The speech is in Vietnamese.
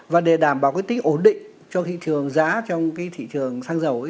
và để đảm bảo cái tính ổn định cho thị trường giá trong cái thị trường xăng dầu ấy